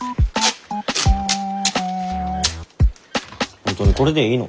本当にこれでいいの？